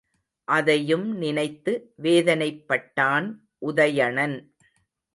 அதையும் நினைத்து வேதனைப்பட்டான் உதயணன்.